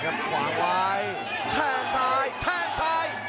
ตั้งลายแท่งซายแท่งซาย